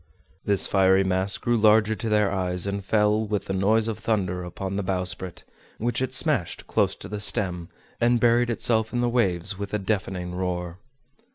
This fiery mass grew larger to their eyes, and fell, with the noise of thunder, upon the bowsprit, which it smashed close to the stem, and buried itself in the waves with a deafening roar!